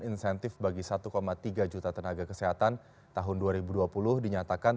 insentif bagi satu tiga juta tenaga kesehatan tahun dua ribu dua puluh dinyatakan